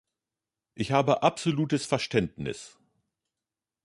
Ich habe absolutes Verständnis.